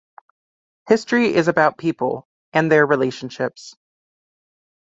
History is about people, and their relationships.